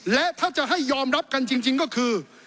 และถ้าจะให้ยอมรับกันจริงก็คือ